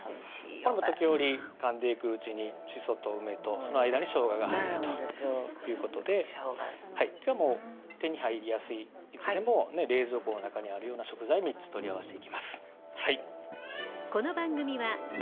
これも時折かんでいくうちにしそと梅とその間にしょうがが入るということで今日は手に入りやすいいつでも冷蔵庫の中にあるような食材３つ取り合わしていきます